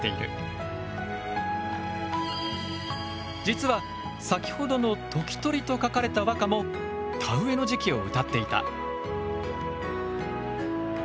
実は先ほどの時鳥と書かれた和歌も田植えの時期を歌っていた。